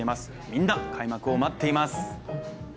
みんな開幕を待っています。